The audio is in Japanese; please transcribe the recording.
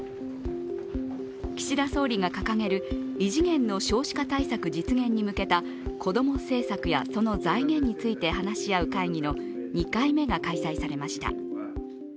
岸田総理が掲げる異次元の少子化対策実現に向けたこども政策やその財源について話し合う会議の２回目が開催されました。